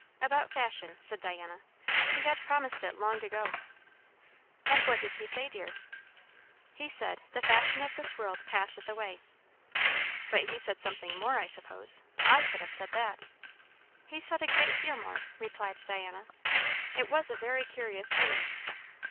"About fashion," said Diana. "He had promised it long ago." "And what did he say, dear?" "He said, 'The fashion of this world passeth away.'" "But he said something more, I suppose? I could have said that." "He said a great deal more," replied Diana. "It was a very curious sermon."